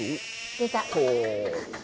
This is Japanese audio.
出た。